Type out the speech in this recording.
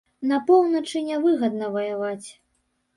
На поўначы нявыгадна ваяваць.